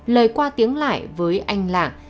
lời qua tiếng lại với anh lạng